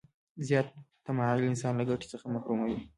زیات تماعل انسان له ګټې څخه محروموي.